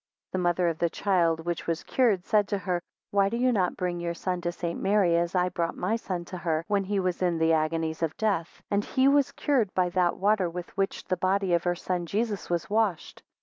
9 The mother of the child which was cured, said to her, Why do you not bring your son to St. Mary, as I brought my son to her, when he was in the agonies of death; and he was cure by that water, with which the body of her son Jesus was washed?